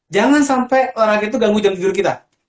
jangan sampai orang itu ganggu jam tidur kita